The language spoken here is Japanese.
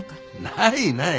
ないない！